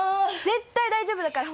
絶対大丈夫だから！